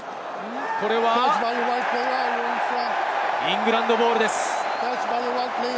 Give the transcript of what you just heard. イングランドボールです。